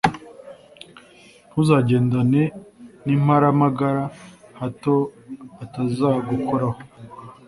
Ntuzagendane n’imparamagara hato atazagukoraho,